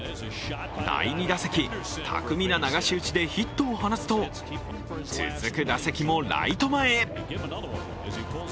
第２打席、巧みな流し打ちでヒットを放つと続く打席もライト前へ。